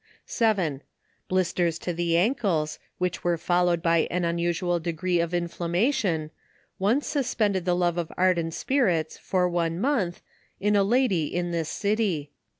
7. Blisters to the ankles, which were followed by an unusual degree of inflammation, once, suspended the love of ardent spirits, for one month, in a lady in this city.